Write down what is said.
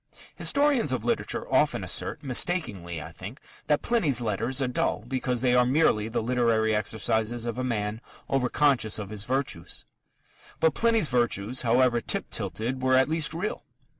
Historians of literature often assert mistakenly, I think that Pliny's letters are dull, because they are merely the literary exercises of a man over conscious of his virtues. But Pliny's virtues, however tip tilted, were at least real.